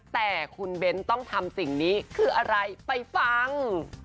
แต่คุณเบ้นต้องทำสิ่งนี้คืออะไรไปฟัง